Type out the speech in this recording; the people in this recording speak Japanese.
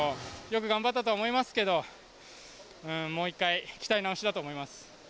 よく頑張ったと思いますけどもう一回鍛え直しだと思います。